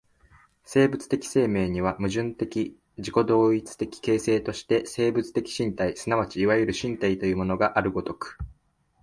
生物的生命には、矛盾的自己同一的形成として生物的身体即ちいわゆる身体というものがある如く、